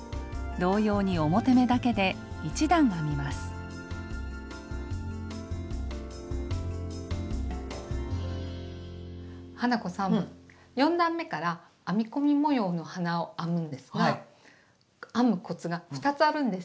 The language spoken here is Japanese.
同様に表目だけで花子さん４段めから編み込み模様の花を編むんですが編むコツが２つあるんです。